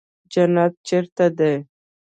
جنت چېرته دى.